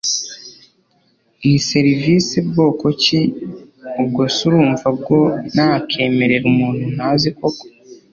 ni service bwoko ki ubwo se urumva bwo nakemerera umuntu ntazi koko